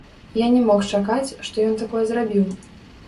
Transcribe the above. Я не мог чакаць, што ён такое зрабіў.